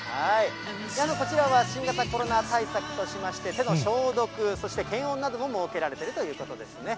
こちらは新型コロナ対策としまして、手の消毒、そして検温なども設けられているということですね。